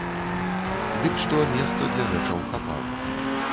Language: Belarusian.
Дык што месца для рэчаў хапала.